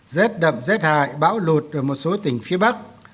rét đậm rét hại bão lụt ở một số tỉnh phía bắc